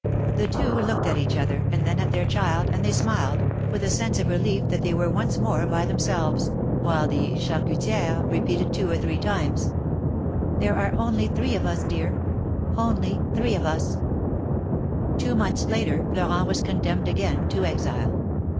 The two looked at each other and then at their child, and they smiled, with a sense 308 THE MARKETS OF PARIS* of relief that they were once more by themselves, while the Charciitiere repeated two or three times : There are only three of ns, dear;, only three of ns" Two months later, Florent was condemned again ta exile.